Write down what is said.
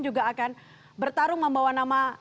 juga akan bertarung membawa nama